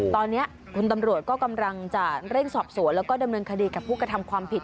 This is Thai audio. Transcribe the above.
ตอนนี้คุณตำรวจก็กำลังจะเร่งสอบสวนแล้วก็ดำเนินคดีกับผู้กระทำความผิด